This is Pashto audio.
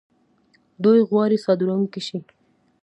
دوی غواړي صادرونکي شي.